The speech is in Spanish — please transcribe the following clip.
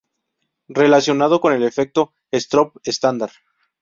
Relacionado con el efecto Stroop estándar.